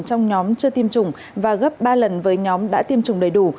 trong nhóm chưa tiêm chủng và gấp ba lần với nhóm đã tiêm chủng đầy đủ